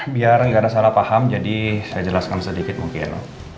biar nggak ada salah paham jadi saya jelaskan sedikit mungkin